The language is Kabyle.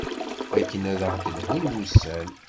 Akken ad aɣ-d-lhun wusan.